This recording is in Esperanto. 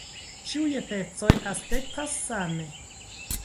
Ĉiuj pecoj aspektas same.